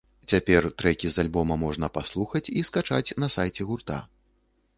Цяпер трэкі з альбома можна паслухаць і скачаць на сайце гурта.